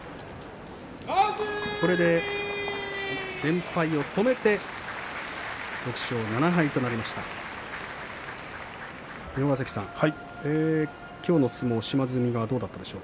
これで連敗を止めて６勝７敗となりました島津海です。